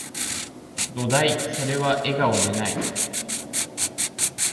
どだい、それは、笑顔でない